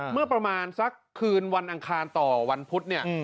เมื่อประมาณสักคืนวันอังคารต่อวันพุธเนี่ย